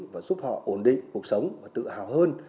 và giúp họ ổn định cuộc sống và tự hào hơn